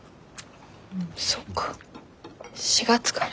そっか４月から。